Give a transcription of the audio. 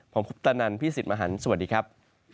ผมคุปตะนันพี่สิทธิ์มหันฯสวัสดีครับ